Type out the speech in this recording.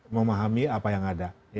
memahami apa yang ada